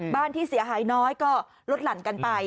บ้านที่เสียหายน้อยก็ลดหลั่นกันไป